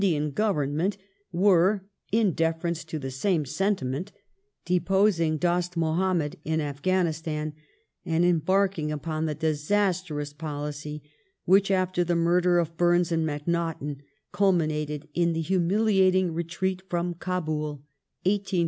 ther East 1841] THE CHINA WAR 157 Government were, in deference to the same sentiment, deposing Dost Muhammad in Afghanistan, and embarking upon the disas trous policy which, after the murder of Burnes and Macnaghten, culminated in the humiliating retreat from K^bul (1838 1843).